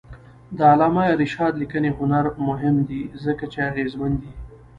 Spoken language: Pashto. د علامه رشاد لیکنی هنر مهم دی ځکه چې اغېزمن دی.